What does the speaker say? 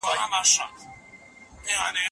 کُنت وويل چي مشاهده مهمه ده.